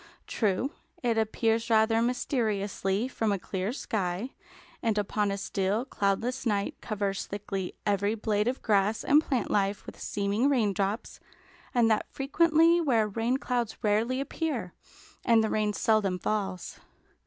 True, it appears rather mysteriously from a clear sky, and upon a still, cloudless night covers thickly every blade of grass and plant life with seeming raindrops, and that frequently where rain clouds rarely appear, and the rain seldom falls.